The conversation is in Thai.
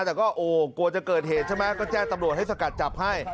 แต่ก็โอ้กลัวจะเกิดเหตุใช่ไหมก็แจ้งตำรวจให้สกัดจับให้